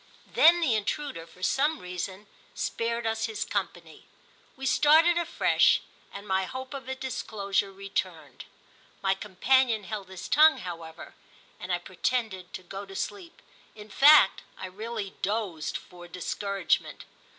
Then the intruder, for some reason, spared us his company; we started afresh, and my hope of a disclosure returned. My companion held his tongue, however, and I pretended to go to sleep; in fact I really dozed for discouragement.